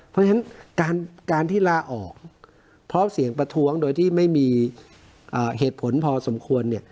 เพราะฉะนั้นการที่ลาออกเพราะเสียงประท้วงโดยที่ไม่มีเหตุผลพอสมควร